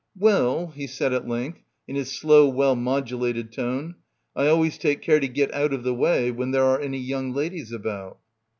"Well," he said at length in his slow well modulated tone, "I always take care to get out of the way when there are any young ladies about."